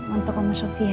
untuk om sofia ya